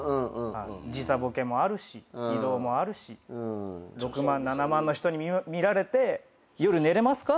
時差ぼけもあるし移動もあるし６万７万の人に見られて夜寝れますか？